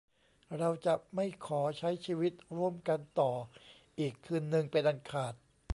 เราจะไม่ขอใช้ชีวิตร่วมกันต่ออีกคืนนึงเป็นอันขาด